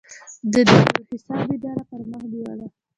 د دارالاحساب اداره پرمخ بیوله.